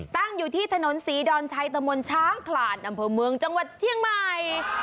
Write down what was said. ตั้งอยู่ที่ถนนศรีดอนชัยตะมนต์ช้างขลาดอำเภอเมืองจังหวัดเชียงใหม่